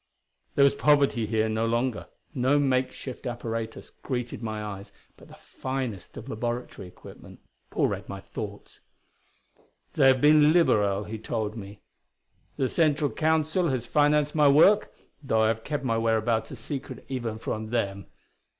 There was poverty here no longer; no makeshift apparatus greeted my eyes, but the finest of laboratory equipment. Paul read my thoughts. "They have been liberal," he told me; "the Central Council has financed my work though I have kept my whereabouts a secret even from them.